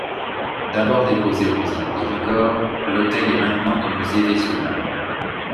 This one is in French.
D’abord déposé au musée du Périgord, l’autel est maintenant au musée Vesunna.